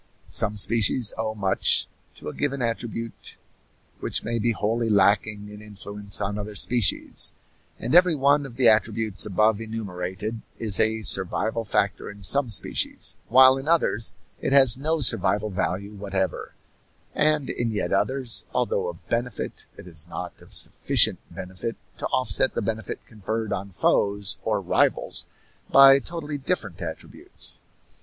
Some species owe much to a given attribute which may be wholly lacking in influence on other species; and every one of the attributes above enumerated is a survival factor in some species, while in others it has no survival value whatever, and in yet others, although of benefit, it is not of sufficient benefit to offset the benefit conferred on foes or rivals by totally different attributes.